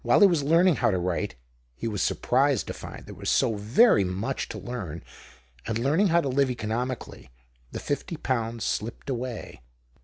While he was learning how to write — he was surprised to find there was so very much to learn — and learning how to live economi cally, the fifty pounds slipped away.